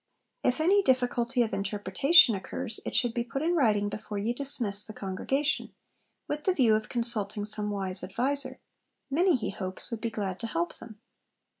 If any difficulty of interpretation occurs, it should be 'put in writing before ye dismiss the congregation,' with the view of consulting some wise adviser. Many, he hopes, would be glad to help them.